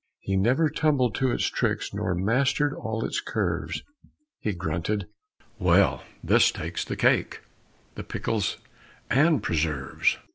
He never tumbled to its tricks nor mastered all its curves. He grunted, "Well, this takes the cake, the pickles and preserves!